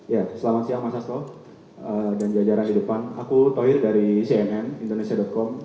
ya selamat siang mas asto dan jajaran di depan aku tohir dari cnn indonesia com